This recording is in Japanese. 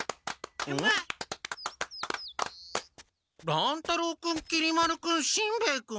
乱太郎君きり丸君しんべヱ君！？